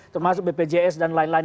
termasuk bpjs dan lain lain